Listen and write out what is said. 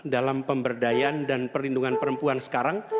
dalam pemberdayaan dan perlindungan perempuan sekarang